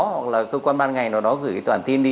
hoặc là cơ quan ban ngành nào đó gửi cái toàn tin đi